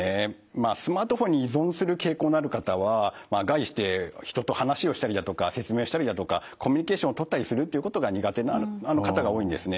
まあスマートフォンに依存する傾向のある方は概して人と話をしたりだとか説明したりだとかコミュニケーションをとったりするっていうことが苦手な方が多いんですね。